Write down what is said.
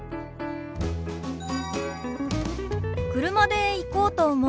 車で行こうと思う。